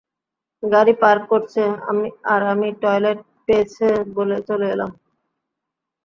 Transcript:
গাড়ি পার্ক করছে, আর আমি টয়লেট পেয়েছে বলে চলে এলাম।